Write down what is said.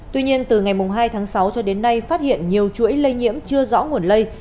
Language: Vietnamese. tuy nhiên từ ngày hai tháng sáu cho đến nay phát hiện nhiều chuỗi lây nhiễm chưa rõ nguồn lây